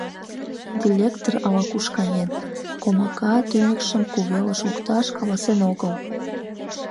Д-делектор ала-куш каен, к-комака т-тӱньыкшым кувелыш лукташ, каласен огыл.